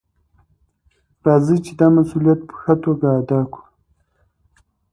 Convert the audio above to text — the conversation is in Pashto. راځئ چې دا مسؤلیت په ښه توګه ادا کړو.